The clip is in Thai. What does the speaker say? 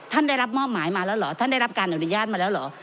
ได้รับมอบหมายมาแล้วเหรอท่านได้รับการอนุญาตมาแล้วเหรอ